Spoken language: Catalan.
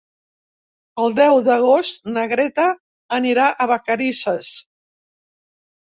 El deu d'agost na Greta anirà a Vacarisses.